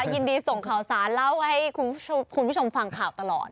ยินดีส่งข่าวสารเล่าให้คุณผู้ชมฟังข่าวตลอด